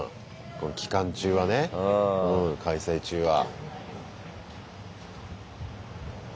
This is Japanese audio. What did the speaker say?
この期間中はね。開催中は。